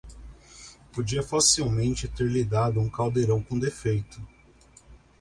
podia facilmente ter-lhe dado um caldeirão com defeito.